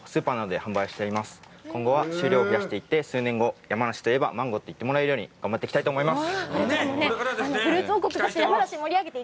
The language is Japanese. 今後は増やしていって、数年後、山梨といえばマンゴーと言ってもらえるように頑張っていきたいと思います。